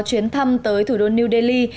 chuyến thăm tới thủ đô new delhi